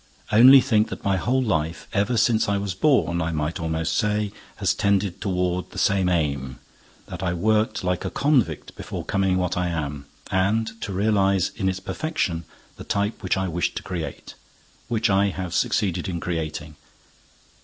Only think that my whole life—ever since I was born, I might almost say—has tended toward the same aim, that I worked like a convict before becoming what I am and to realize, in its perfection, the type which I wished to create—which I have succeeded in creating.